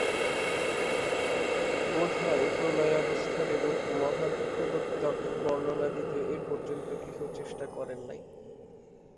বোধ হয় প্রলয়াবস্থার এরূপ মহদ্ভাবদ্যোতক বর্ণনা দিতে এ পর্যন্ত কেহ চেষ্টা করেন নাই।